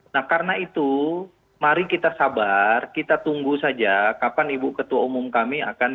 nah karena itu mari kita sabar kita tunggu saja kapan ibu ketua umum kami akan